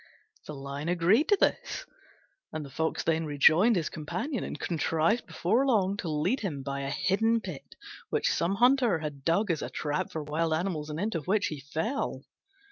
The Lion agreed to this, and the Fox then rejoined his companion and contrived before long to lead him by a hidden pit, which some hunter had dug as a trap for wild animals, and into which he fell.